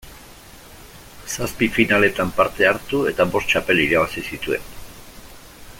Zazpi finaletan parte hartu eta bost txapel irabazi zituen.